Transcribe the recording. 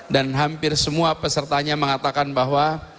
dan hampir semua pesertanya mengatakan bahwa